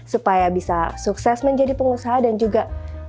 supaya bisa sukses menjadi pengusaha dan juga